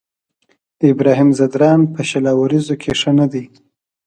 ابراهيم ځدراڼ په شل اوريزو کې ښه نه دی.